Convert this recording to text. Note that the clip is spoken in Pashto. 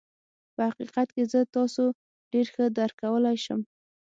په حقيقت کې زه تاسو ډېر ښه درک کولای شم.